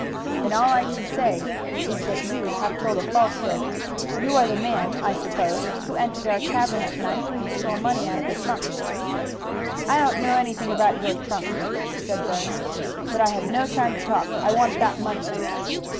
"Then all I can say is that you have told a falsehood. You are the man, I suppose, who entered our cabin at night and stole money out of a trunk." "I don't know anything about your trunk!" said Burns. "But I have no time to talk; I want that money!"